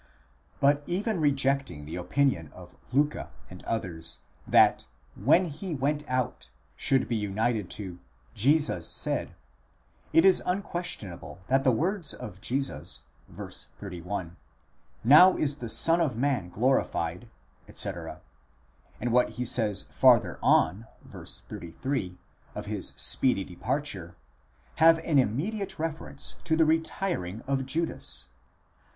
But even rejecting the opinion of Liicke and others, that ὅτε ἐξῆλθε, when he went out, should be united to λέγει 6 Ἰησοῦς, Jesus said, it is un questionable that the words of Jesus v. 31, Vow is the Son of man glorified, etc., and what he says farther on (v. 33) of his speedy departure, have an immediate reference to the retiring of Judas.